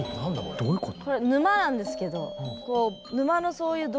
どういうこと？